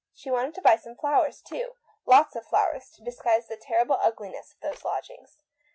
She wanted to buy some flowers, too ; lots of flowers, to disguise the terrible ugliness of those lodgings.